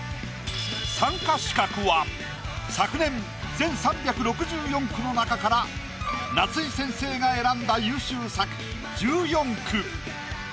参加資格は昨年全３６４句の中から夏井先生が選んだ優秀作１４句。